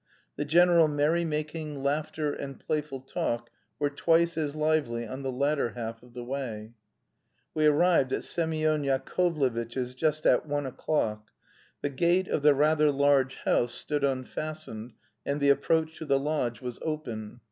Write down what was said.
The general merrymaking, laughter, and playful talk were twice as lively on the latter half of the way. We arrived at Semyon Yakovlevitch's just at one o'clock. The gate of the rather large house stood unfastened, and the approach to the lodge was open.